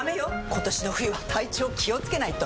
今年の冬は体調気をつけないと！